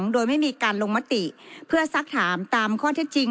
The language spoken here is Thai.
โดยไม่มีการลงมติเพื่อสักถามตามข้อเท็จจริง